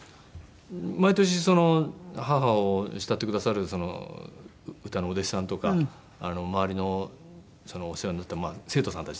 毎年母を慕ってくださる歌のお弟子さんとか周りのお世話になった生徒さんたちだったんですけど。